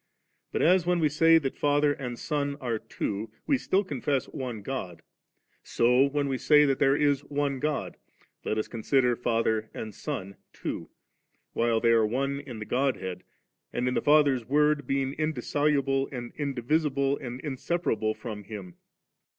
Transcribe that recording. but, as when we say that Father and Son are two, we still confess one God, so when we say that there is one God, let us consider Father and Son two, while they are one in the Godhead, and in the Father's Word being indissoluble and indivisible and inseparable horn Hiin.